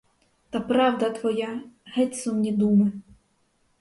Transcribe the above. Та правда твоя: геть сумні думи!